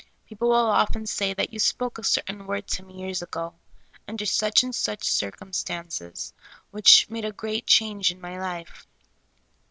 People will often say that you spoke a certain word to me years ago, under such and such circumstances, which made a great change in my life.